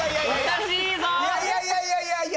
いやいやいやいや！